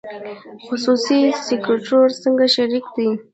خصوصي سکتور څنګه شریک دی؟